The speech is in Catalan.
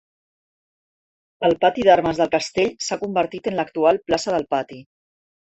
El pati d'armes del castell s'ha convertit en l'actual plaça del Pati.